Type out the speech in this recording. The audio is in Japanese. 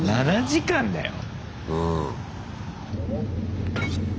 ７時間だよ！